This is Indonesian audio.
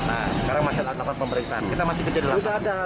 nah sekarang masih ada pemeriksaan kita masih kejar dalam